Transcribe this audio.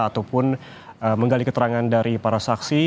ataupun menggali keterangan dari para saksi